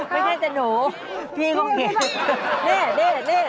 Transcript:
ไม่ใช่แต่หนูพี่คงเห็น